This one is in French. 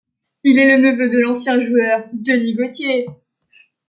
Il est le neveu de l'ancien joueur Denis Gauthier.